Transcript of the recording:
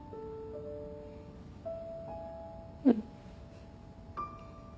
うん。